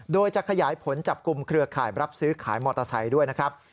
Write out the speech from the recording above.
โดยจะขยายผลจับกลุ่มเครือข่ายรับซื้อขายมอเตอร์ไซค์ด้วยนะครับ